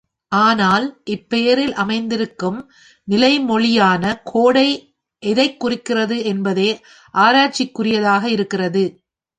ஆனால் இப்பெயரில் அமைந்திருக்கும் நிலை மொழி யான கோடை எதைக் குறிக்சிறது என்பதே ஆராய்ச்சிக்குரியதாக இருக்கிறது.